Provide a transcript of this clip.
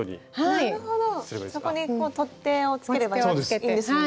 そこに取っ手をつければいいんですよね。